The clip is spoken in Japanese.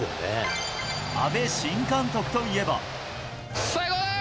阿部新監督といえば。